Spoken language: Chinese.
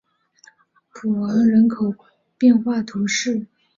普昂人口变化图示